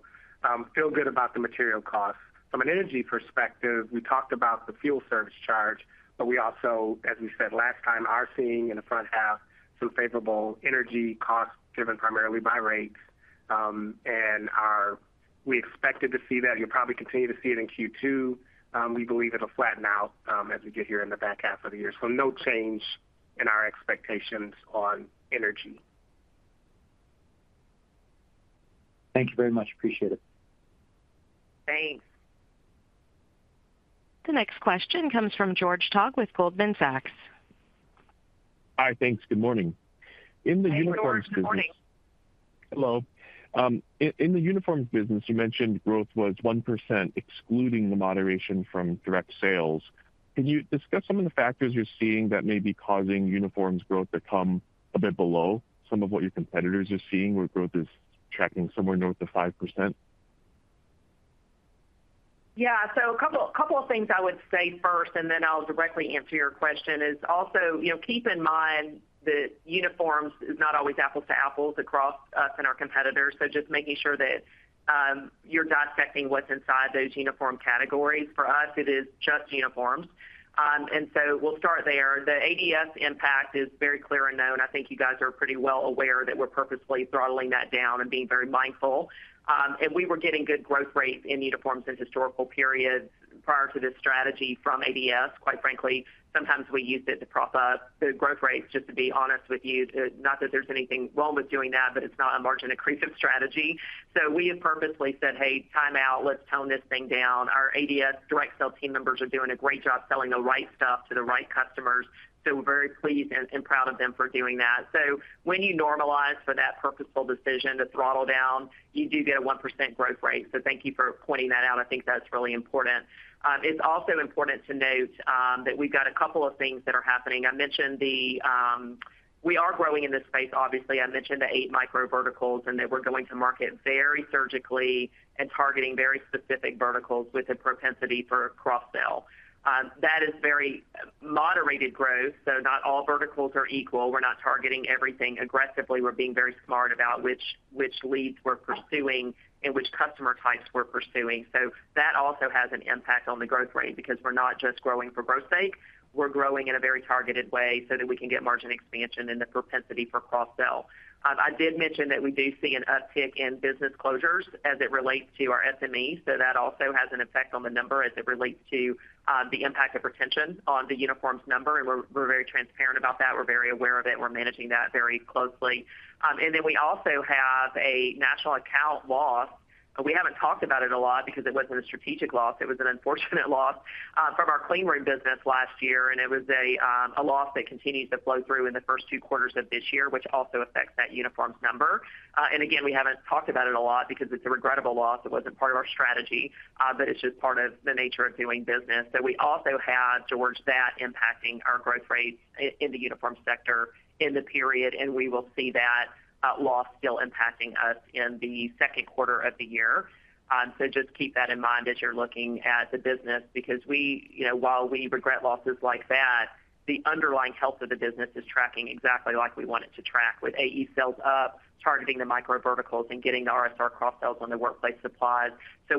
feel good about the material costs. From an energy perspective, we talked about the fuel service charge, but we also, as we said last time, are seeing in the front half some favorable energy costs, driven primarily by rates. And we expected to see that. You'll probably continue to see it in Q2. We believe it'll flatten out as we get here in the back half of the year. So no change in our expectations on energy. Thank you very much. Appreciate it. Thanks. The next question comes from George Tong with Goldman Sachs. Hi, thanks. Good morning. Hi, George. Good morning. Hello. In the uniforms business, you mentioned growth was 1%, excluding the moderation from direct sales. Can you discuss some of the factors you're seeing that may be causing uniforms growth to come a bit below some of what your competitors are seeing, where growth is tracking somewhere north of 5%? Yeah, so a couple, couple of things I would say first, and then I'll directly answer your question, is also, you know, keep in mind that uniforms is not always apples to apples across us and our competitors. So just making sure that you're dissecting what's inside those uniform categories. For us, it is just uniforms. And so we'll start there. The ADS impact is very clear and known. I think you guys are pretty well aware that we're purposefully throttling that down and being very mindful. And we were getting good growth rates in uniforms in historical periods prior to this strategy from ADS. Quite frankly, sometimes we used it to prop up the growth rates, just to be honest with you. Not that there's anything wrong with doing that, but it's not a margin accretive strategy. So we have purposefully said, "Hey, time out, let's tone this thing down." Our ADS direct sale team members are doing a great job selling the right stuff to the right customers. So we're very pleased and, and proud of them for doing that. So when you normalize for that purposeful decision to throttle down, you do get a 1% growth rate. So thank you for pointing that out. I think that's really important. It's also important to note that we've got a couple of things that are happening. I mentioned the, we are growing in this space. Obviously, I mentioned the eight micro verticals and that we're going to market very surgically and targeting very specific verticals with a propensity for cross sell. That is very moderated growth, so not all verticals are equal. We're not targeting everything aggressively. We're being very smart about which leads we're pursuing and which customer types we're pursuing. So that also has an impact on the growth rate, because we're not just growing for growth's sake. We're growing in a very targeted way so that we can get margin expansion and the propensity for cross sell. I did mention that we do see an uptick in business closures as it relates to our SMEs, so that also has an effect on the number as it relates to the impact of retention on the uniforms number, and we're very transparent about that. We're very aware of it, and we're managing that very closely. And then we also have a national account loss, but we haven't talked about it a lot because it wasn't a strategic loss. It was an unfortunate loss from our cleanroom business last year, and it was a loss that continued to flow through in the first two quarters of this year, which also affects that uniforms number. And again, we haven't talked about it a lot because it's a regrettable loss. It wasn't part of our strategy, but it's just part of the nature of doing business. So we also had, George, that impacting our growth rates in the uniform sector in the period, and we will see that loss still impacting us in the second quarter of the year. So just keep that in mind as you're looking at the business, because we, you know, while we regret losses like that, the underlying health of the business is tracking exactly like we want it to track, with AE sales up, targeting the micro verticals and getting the RSR cross sells on the workplace supplies.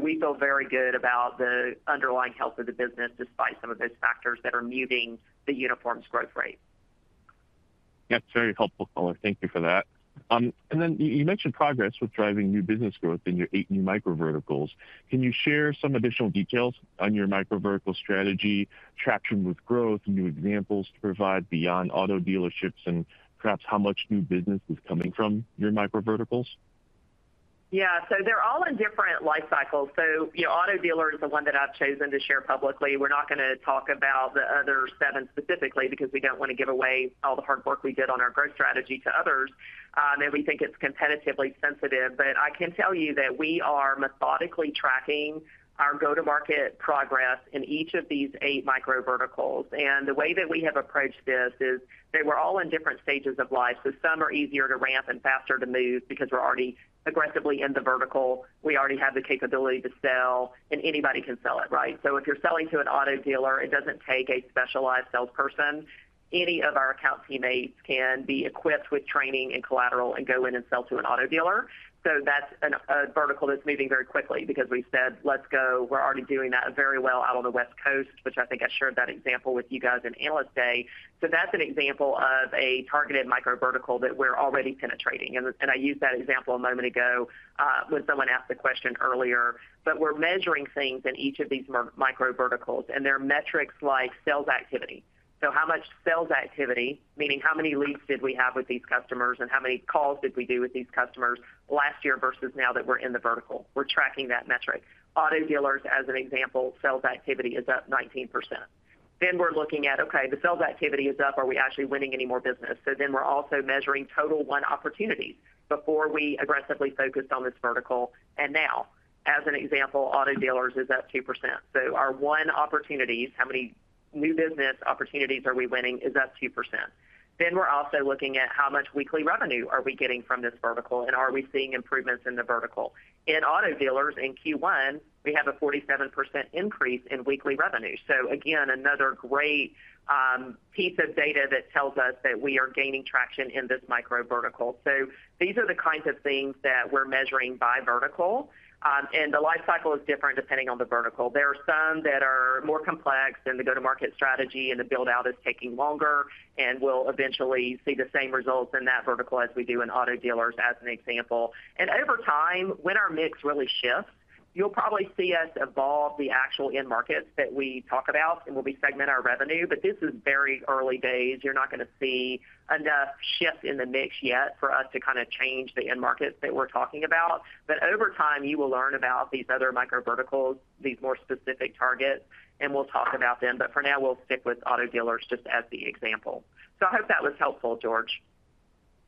We feel very good about the underlying health of the business, despite some of those factors that are muting the uniforms growth rate. Yeah, very helpful color. Thank you for that. And then you mentioned progress with driving new business growth in your eight new micro verticals. Can you share some additional details on your micro vertical strategy, traction with growth, new examples to provide beyond auto dealerships, and perhaps how much new business is coming from your micro verticals? Yeah. So they're all in different life cycles. So, you know, auto dealer is the one that I've chosen to share publicly. We're not gonna talk about the other seven specifically because we don't want to give away all the hard work we did on our growth strategy to others, and we think it's competitively sensitive. But I can tell you that we are methodically tracking our go-to-market progress in each of these eight micro verticals. And the way that we have approached this is that we're all in different stages of life, so some are easier to ramp and faster to move because we're already aggressively in the vertical. We already have the capability to sell, and anybody can sell it, right? So if you're selling to an auto dealer, it doesn't take a specialized salesperson. Any of our account teammates can be equipped with training and collateral and go in and sell to an auto dealer. So that's a vertical that's moving very quickly because we said, "Let's go." We're already doing that very well out on the West Coast, which I think I shared that example with you guys in Analyst Day. So that's an example of a targeted micro vertical that we're already penetrating. And I used that example a moment ago when someone asked the question earlier. But we're measuring things in each of these micro verticals, and they're metrics like sales activity. So how much sales activity, meaning how many leads did we have with these customers, and how many calls did we do with these customers last year versus now that we're in the vertical? We're tracking that metric. Auto dealers, as an example, sales activity is up 19%. Then we're looking at, okay, the sales activity is up, are we actually winning any more business? So then we're also measuring total win opportunities before we aggressively focused on this vertical, and now. As an example, auto dealers is up 2%. So our win opportunities, how many new business opportunities are we winning, is up 2%. Then we're also looking at how much weekly revenue are we getting from this vertical, and are we seeing improvements in the vertical? In auto dealers, in Q1, we have a 47% increase in weekly revenue. So again, another great piece of data that tells us that we are gaining traction in this micro vertical. So these are the kinds of things that we're measuring by vertical, and the life cycle is different depending on the vertical. There are some that are more complex, and the go-to-market strategy and the build-out is taking longer, and we'll eventually see the same results in that vertical as we do in auto dealers, as an example. And over time, when our mix really shifts, you'll probably see us evolve the actual end markets that we talk about, and we'll segment our revenue. But this is very early days. You're not gonna see enough shift in the mix yet for us to kind of change the end markets that we're talking about. But over time, you will learn about these other micro verticals, these more specific targets, and we'll talk about them. But for now, we'll stick with auto dealers just as the example. So I hope that was helpful, George.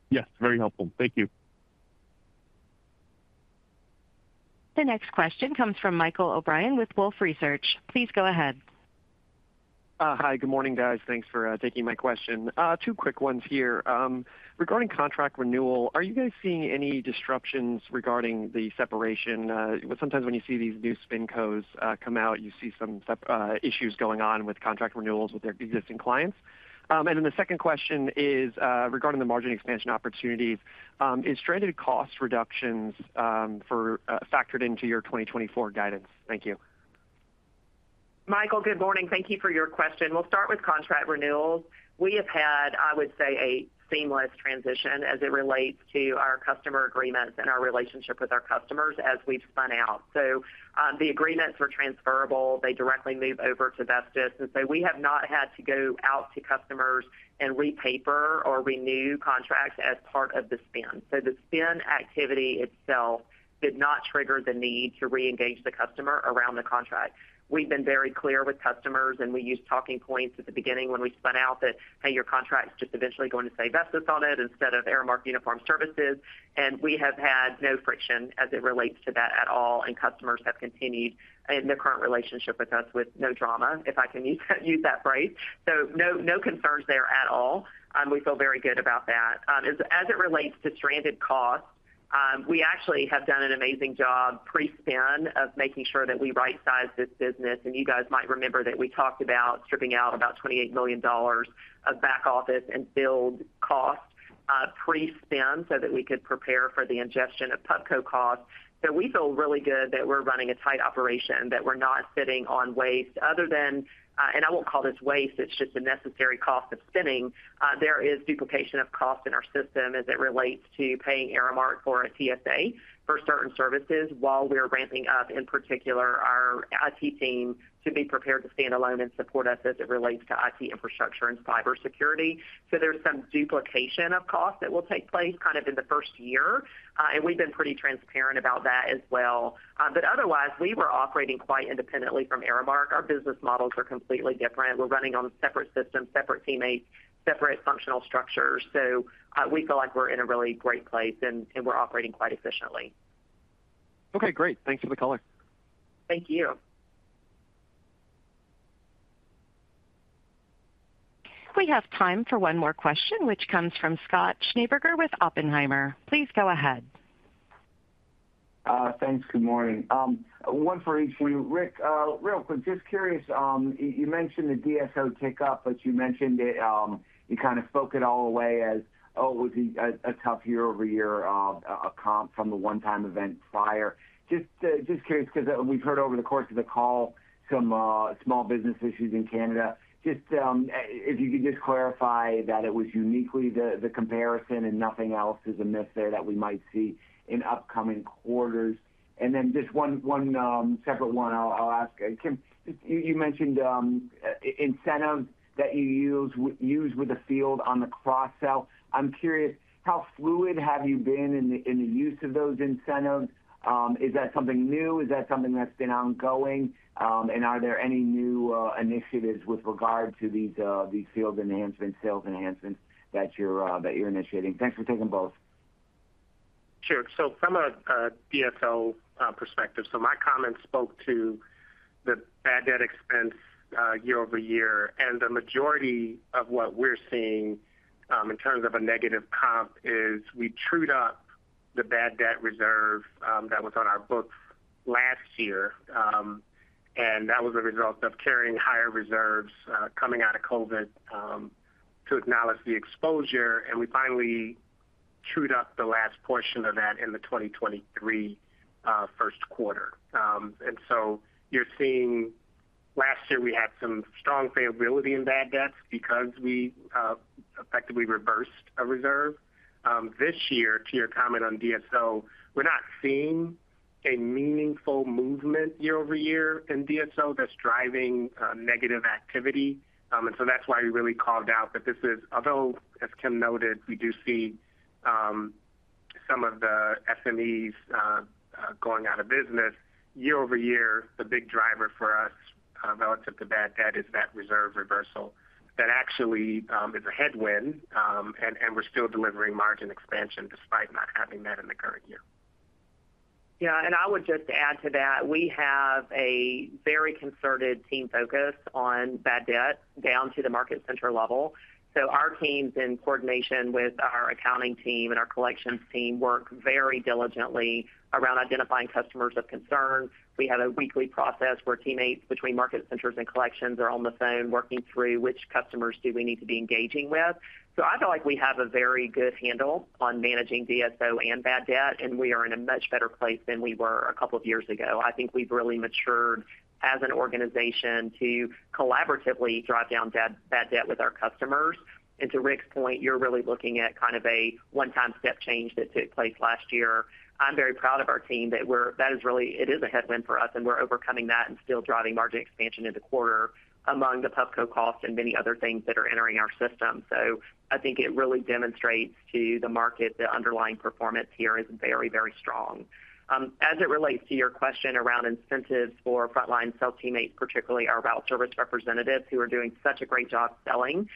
Yes, very helpful. Thank you. The next question comes from Michael O'Brien with Wolfe Research. Please go ahead. Hi, good morning, guys. Thanks for taking my question. Two quick ones here. Regarding contract renewal, are you guys seeing any disruptions regarding the separation? Sometimes when you see these new SpinCos come out, you see some issues going on with contract renewals with their existing clients. And then the second question is, regarding the margin expansion opportunities, is stranded cost reductions factored into your 2024 guidance? Thank you. Michael, good morning. Thank you for your question. We'll start with contract renewals. We have had, I would say, a seamless transition as it relates to our customer agreements and our relationship with our customers as we've spun out. So, the agreements were transferable. They directly move over to Vestis, and so we have not had to go out to customers and repaper or renew contracts as part of the spin. So the spin activity itself did not trigger the need to reengage the customer around the contract. We've been very clear with customers, and we used talking points at the beginning when we spun out that, "Hey, your contract is just eventually going to say Vestis on it instead of Aramark Uniform Services." And we have had no friction as it relates to that at all, and customers have continued in their current relationship with us with no drama, if I can use that phrase. So no, no concerns there at all, we feel very good about that. As it relates to stranded costs, we actually have done an amazing job pre-spin of making sure that we right-size this business, and you guys might remember that we talked about stripping out about $28 million of back office and build costs pre-spin so that we could prepare for the ingestion of Pubco costs. So we feel really good that we're running a tight operation, that we're not sitting on waste other than, and I won't call this waste, it's just a necessary cost of spinning. There is duplication of cost in our system as it relates to paying Aramark for a TSA for certain services while we are ramping up, in particular, our IT team to be prepared to stand alone and support us as it relates to IT infrastructure and cybersecurity. So there's some duplication of cost that will take place kind of in the first year, and we've been pretty transparent about that as well. But otherwise, we were operating quite independently from Aramark. Our business models are completely different. We're running on separate systems, separate teammates, separate functional structures. So, we feel like we're in a really great place and, and we're operating quite efficiently. Okay, great. Thanks for the color. Thank you. We have time for one more question, which comes from Scott Schneeberger with Oppenheimer. Please go ahead. Thanks. Good morning. One for each of you. Rick, real quick, just curious, you mentioned the DSO tick up, but you mentioned it, you kind of spoke it all away as, oh, it was a tough year-over-year comp from the one-time event prior. Just curious, because, we've heard over the course of the call some small business issues in Canada. Just, if you could just clarify that it was uniquely the comparison and nothing else is amiss there that we might see in upcoming quarters. And then just one separate one I'll ask. Kim, you mentioned incentives that you use with the field on the cross sell. I'm curious, how fluid have you been in the use of those incentives? Is that something new? Is that something that's been ongoing? And are there any new initiatives with regard to these field enhancements, sales enhancements that you're initiating? Thanks for taking both. Sure. So from a DSO perspective, so my comments spoke to the bad debt expense year-over-year, and the majority of what we're seeing in terms of a negative comp is we trued up the bad debt reserve that was on our books last year. And that was a result of carrying higher reserves coming out of COVID to acknowledge the exposure, and we finally trued up the last portion of that in the 2023 first quarter. And so you're seeing last year, we had some strong variability in bad debts because we effectively reversed a reserve. This year, to your comment on DSO, we're not seeing a meaningful movement year-over-year in DSO that's driving negative activity. And so that's why we really called out that this is, although, as Kim noted, we do see some of the SMEs going out of business year-over-year, the big driver for us relative to bad debt is that reserve reversal. That actually is a headwind, and we're still delivering margin expansion despite not having that in the current year. Yeah, and I would just add to that, we have a very concerted team focus on bad debt down to the market center level. So our teams, in coordination with our accounting team and our collections team, work very diligently around identifying customers of concern. We have a weekly process where teammates between market centers and collections are on the phone working through which customers do we need to be engaging with. So I feel like we have a very good handle on managing DSO and bad debt, and we are in a much better place than we were a couple of years ago. I think we've really matured as an organization to collaboratively drive down bad, bad debt with our customers. And to Rick's point, you're really looking at kind of a one-time step change that took place last year. I'm very proud of our team, that we're, that is really, it is a headwind for us, and we're overcoming that and still driving margin expansion in the quarter among the Pubco costs and many other things that are entering our system. So I think it really demonstrates to the market the underlying performance here is very, very strong. As it relates to your question around incentives for frontline sales teammates, particularly our route service representatives, who are doing such a great job selling,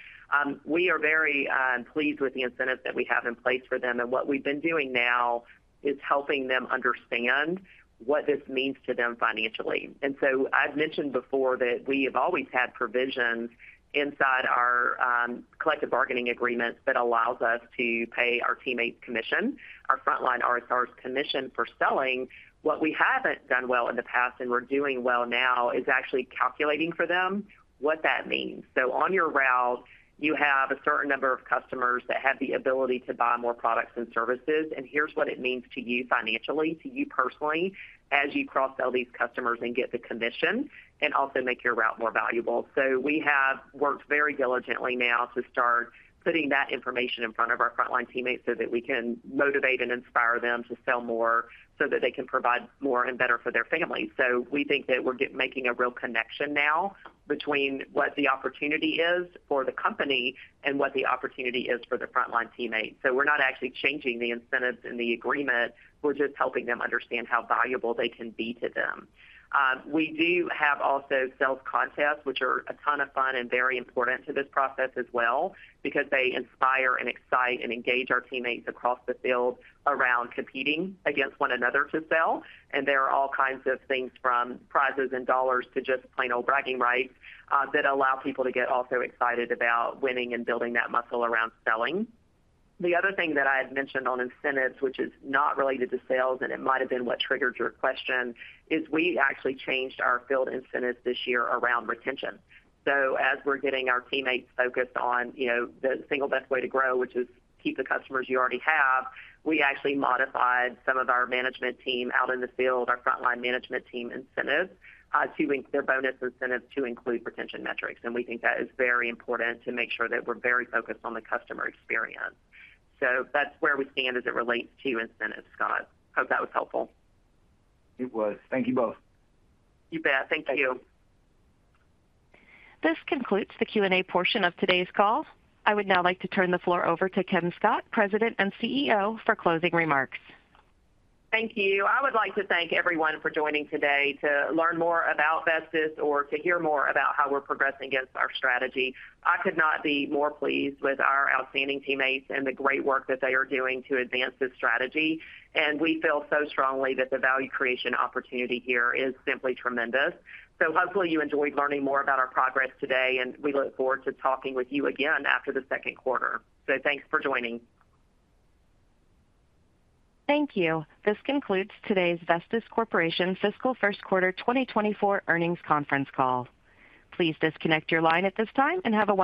we are very pleased with the incentives that we have in place for them, and what we've been doing now is helping them understand what this means to them financially. And so I've mentioned before that we have always had provisions inside our collective bargaining agreements that allows us to pay our teammates commission, our frontline RSRs commission for selling. What we haven't done well in the past, and we're doing well now, is actually calculating for them what that means. So on your route, you have a certain number of customers that have the ability to buy more products and services, and here's what it means to you financially, to you personally, as you cross-sell these customers and get the commission and also make your route more valuable. So we have worked very diligently now to start putting that information in front of our frontline teammates so that we can motivate and inspire them to sell more, so that they can provide more and better for their families. So we think that we're making a real connection now between what the opportunity is for the company and what the opportunity is for the frontline teammates. So we're not actually changing the incentives in the agreement. We're just helping them understand how valuable they can be to them. We do have also sales contests, which are a ton of fun and very important to this process as well, because they inspire and excite and engage our teammates across the field around competing against one another to sell. And there are all kinds of things, from prizes and dollars to just plain old bragging rights, that allow people to get also excited about winning and building that muscle around selling. The other thing that I had mentioned on incentives, which is not related to sales, and it might have been what triggered your question, is we actually changed our field incentives this year around retention. So as we're getting our teammates focused on, you know, the single best way to grow, which is keep the customers you already have, we actually modified some of our management team out in the field, our frontline management team incentives, to link their bonus incentives to include retention metrics. And we think that is very important to make sure that we're very focused on the customer experience. So that's where we stand as it relates to incentives, Scott. Hope that was helpful. It was. Thank you both. You bet. Thank you. This concludes the Q&A portion of today's call. I would now like to turn the floor over to Kim Scott, President and CEO, for closing remarks. Thank you. I would like to thank everyone for joining today to learn more about Vestis or to hear more about how we're progressing against our strategy. I could not be more pleased with our outstanding teammates and the great work that they are doing to advance this strategy, and we feel so strongly that the value creation opportunity here is simply tremendous. Hopefully you enjoyed learning more about our progress today, and we look forward to talking with you again after the Q2. Thanks for joining. Thank you. This concludes today's Vestis Corporation fiscal Q1 2024 Earnings Conference Call. Please disconnect your line at this time and have a wonderful day.